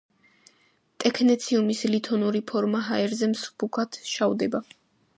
ტექნეციუმის ლითონური ფორმა ჰაერზე მსუბუქად შავდება.